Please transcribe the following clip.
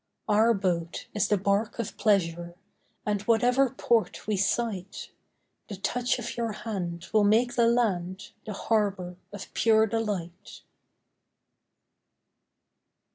Our boat is the barque of Pleasure, And whatever port we sight The touch of your hand will make the land The Harbour of Pure Delight.